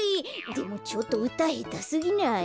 でもちょっとうたへたすぎない？